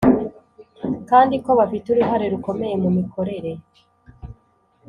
kandi ko bafite uruhare rukomeye mu mikorere